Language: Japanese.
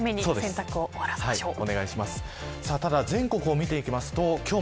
早め早めに洗濯を終わらせましょう。